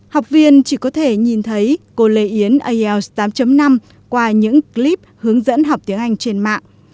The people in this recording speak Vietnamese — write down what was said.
học viên chỉ có thể nhìn thấy cô lê yến ielts tám năm qua những clip hướng dẫn học tiếng anh trên mạng